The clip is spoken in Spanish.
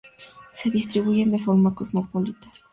Se distribuyen de forma cosmopolita.